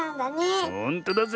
ほんとだぜ。